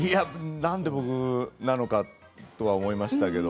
なんで僕なのかとは思いました。